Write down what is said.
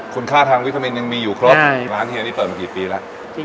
คุณค่าทางวิตามินยังมีอยู่ครบร้านเฮียนี่เปิดมากี่ปีแล้ว